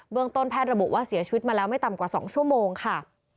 ต้นแพทย์ระบุว่าเสียชีวิตมาแล้วไม่ต่ำกว่า๒ชั่วโมงค่ะ